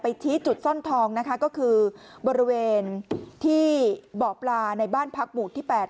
ชี้จุดซ่อนทองนะคะก็คือบริเวณที่เบาะปลาในบ้านพักหมู่ที่๘